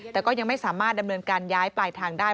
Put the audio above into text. แต่ก็ยังไม่สามารถดำเนินการย้ายปลายทางได้